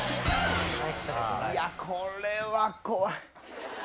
いやこれは怖い。